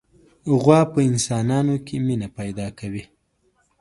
غوا په انسانانو کې مینه پیدا کوي.